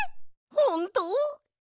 ほんと？